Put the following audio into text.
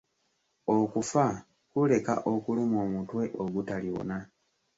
Okufa kuleka okulumwa omutwe ogutaliwona.